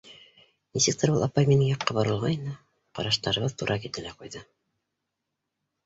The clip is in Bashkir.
Нисектер ул апай минең яҡҡа боролғайны, ҡараштарыбыҙ тура килде лә ҡуйҙы.